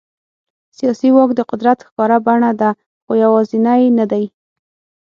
سیاسي واک د قدرت ښکاره بڼه ده، خو یوازینی نه دی.